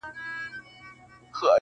ټیک راسره وژړل پېزوان راسره وژړل-